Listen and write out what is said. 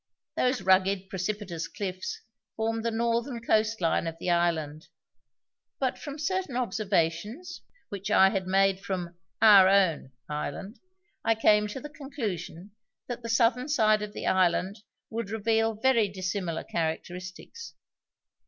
Those rugged precipitous cliffs formed the northern coast line of the island, but from certain observations which I had made from "our own" island I came to the conclusion that the southern side of the island would reveal very dissimilar characteristics.